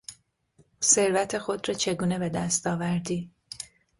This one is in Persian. ثروت خود را چگونه به دست آوردی؟